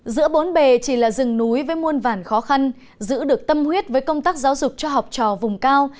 giữa bốn bề chỉ là rừng núi với muôn vản khó khăn giữ được tâm huyết với công tác giáo dục cho học trò vùng cao